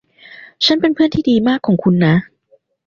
ฉันเป็นเพื่อนที่ดีมากของคุณนะ